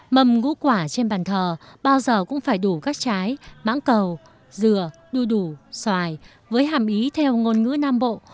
mầm ngũ quả trên bàn thờ bao giờ cũng phải đủ các trái mãng cầu dừa đuôi đủ xoài với hàm ý theo ngôn ngữ nam bộ